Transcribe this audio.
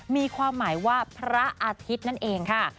มีความหมายว่าพระอาทิตย์นั่นเองค่ะ